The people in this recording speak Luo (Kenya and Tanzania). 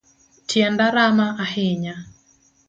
Tienda rama ahinya.